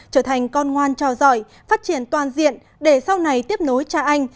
trở thành con ngoan trò giỏi phát triển toàn diện để sau này tiếp nối cha anh